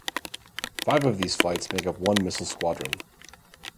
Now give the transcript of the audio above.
Five of these flights make up one missile squadron.